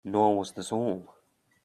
Nor was this all.